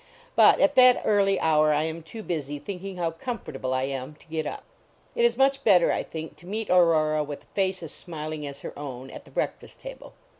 But at that early hour I am too busy, thinking how comfortable I am, to get up. It is much better, I think, to meet Aurora with a face as smiling as her own, at the breakfast table.